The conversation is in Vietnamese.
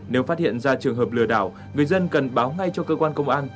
nếu phát hiện ra trường hợp lừa đảo người dân cần báo ngay cho cơ quan công an